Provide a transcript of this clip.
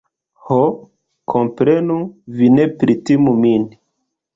Ho, komprenu, vi ne pritimu min.